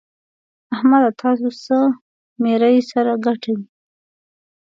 احمده! تاسو څه ميرۍ سره ګټئ؟!